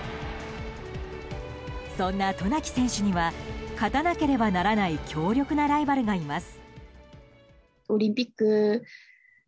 そんな渡名喜選手には勝たなければならない強力なライバルがいます。